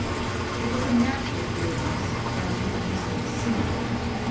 It was a natural fear in us, as you can easily see.